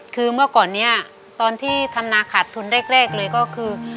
คือเมื่อก่อนนี้ตอนที่ทำนาขาดทุนแรกเลยก็คือ